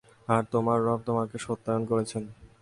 আর তোমার রব তোমাকে সত্যায়ন করেছেন।